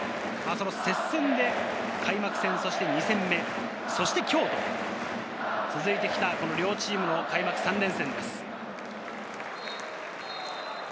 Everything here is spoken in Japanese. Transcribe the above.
接戦で開幕戦、２戦目、そして今日と続いてきた両チームの開幕３連戦です。